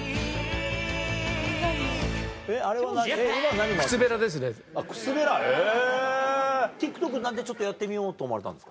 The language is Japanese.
何でやってみようと思われたんですか？